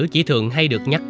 chỉ thường hay được nhắc đến